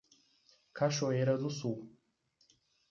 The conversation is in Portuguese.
Cachoeira do Sul